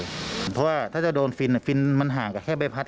เพราะว่าถ้าจะโดนฟินฟินมันห่างกับแค่ใบพัด